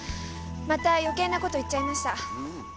また余計なこと言っちゃいました。